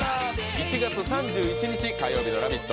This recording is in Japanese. １月３１日火曜日の「ラヴィット！」